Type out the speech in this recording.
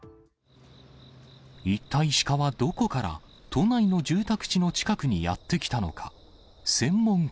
一体、シカはどこから、都内の住宅地の近くにやって来たのか。